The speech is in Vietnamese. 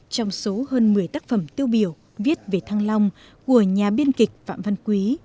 trong số hơn một mươi tác phẩm tiêu biểu viết về thăng long của nhà biên kịch phạm văn quý